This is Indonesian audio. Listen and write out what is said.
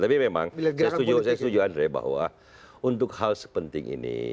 tapi memang saya setuju andre bahwa untuk hal sepenting ini